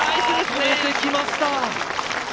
止めてきました！